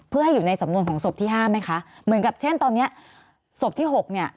เพื่อให้อยู่ในสำนวนของศพที่ห้าไหมคะเหมือนกับเช่นตอนเนี้ยศพที่หกเนี่ย